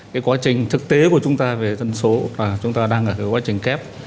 cái quá trình thực tế của chúng ta về dân số và chúng ta đang ở quá trình kép